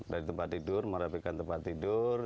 dari tempat tidur merapikan tempat tidur